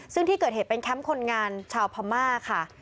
ซึ่งที่เกิดเหตุเป็นแคมป์คนงานชาวพม่าค่ะ